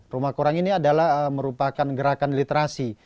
rumah kurang ini adalah merupakan gerakan literasi